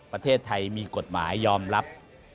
ประเทศไทยมีกฎหมายยอมรับ